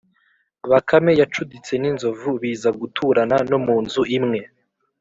bakame yacuditse n’inzovu, biza guturana no mu nzu imwe;